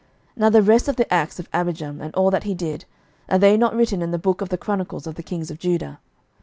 11:015:007 Now the rest of the acts of Abijam, and all that he did, are they not written in the book of the chronicles of the kings of Judah?